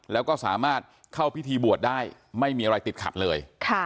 แล้วก็สามารถเข้าพิธีบวชได้ไม่มีอะไรติดขัดเลย